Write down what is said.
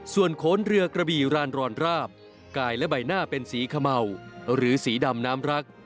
ส่วนโขนเรือกระบี่รานรอนราบกายและใบหน้าเป็นสีเขม่าหรือสีดำน้ำรัก